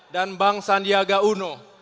dan bang sandiaga uno